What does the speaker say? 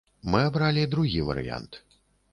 Мы абралі другі варыянт.